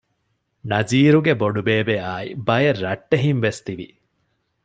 ނަޒީރުގެ ބޮޑުބޭބެ އާއި ބައެއް ރައްޓެހިންވެސް ތިވި